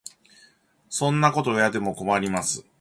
そんなこと言われても困ります。